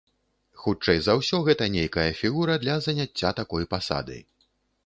Хутчэй за ўсё, гэта нейкая фігура для заняцця такой пасады.